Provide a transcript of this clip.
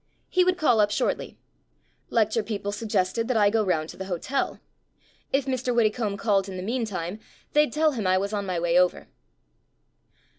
He would call up shortly. Lecture people suggested that I go round to the hotel. If Mr. Widde combe called in the meantime they'd tell him I was on my way over.